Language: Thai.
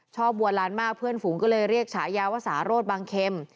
บัวล้านมากเพื่อนฝูงก็เลยเรียกฉายาว่าสาโรธบางเข็ม